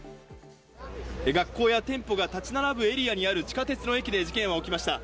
学校や店舗が建ち並ぶエリアにある地下鉄の駅で事件は起きました。